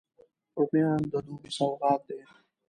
رومیان د دوبي سوغات دي